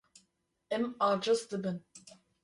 Em aciz dibin.